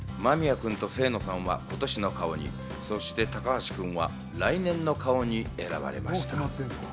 間宮君と清野さんは今年の顔に、そして高橋君は来年の顔に選ばれました。